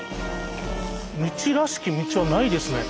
道らしき道はないですね。